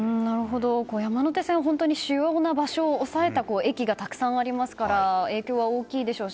山手線、本当に主要な場所を抑えた駅がたくさんありますから影響が大きいでしょうし。